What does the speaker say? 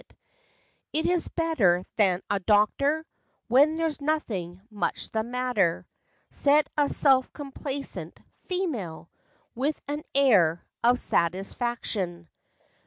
It is better than a doctor When there's nothing much the matter," Said a self complacent " female " With an air of satisfaction.